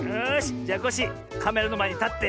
じゃコッシーカメラのまえにたって。